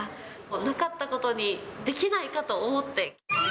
なかったことにできないかと思って。